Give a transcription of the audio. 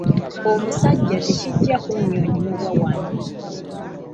Omusajja tekijja kunnyonnyolwa wano.